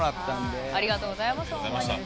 ありがとうございます。